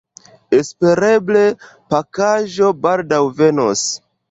Espereble pakaĵo baldaŭ venos.